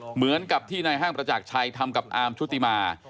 เหมือนกับที่นายห้างประจักรชัยทำกับอาร์มชุติมา